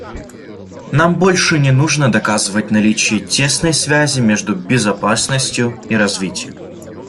Нам больше не нужно доказывать наличие тесной связи между безопасностью и развитием.